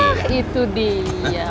nah itu dia